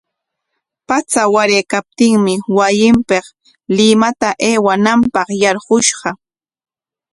Patsa waraykaptinmi wasinpik Limapa aywananpaq yarqushqa.